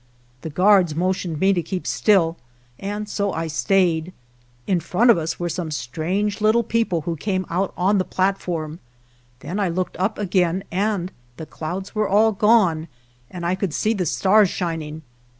The guards motioned me to keep still, and so I stayed. In front of us were some strange little people who came out on the platform; then I looked up again and the clouds were all gone, and I could see the stars shining.